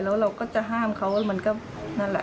แล้วเราก็จะห้ามเขามันก็นั่นแหละ